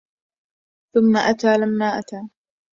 ثم أتى, لما أتى